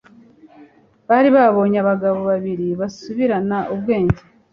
Bari babonye abagabo babiri basubirana ubwenge,